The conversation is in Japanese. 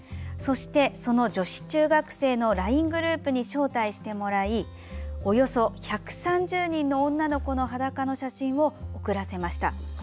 そして、その女子中学生のＬＩＮＥグループに招待してもらいおよそ１３０人の女の子の裸の写真を送らせました。